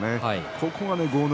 ここが豪ノ